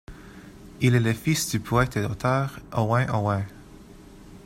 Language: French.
Il est le fils du poète et auteur Owain Owain.